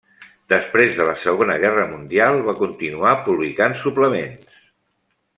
Després de la Segona Guerra Mundial va continuar publicant suplements.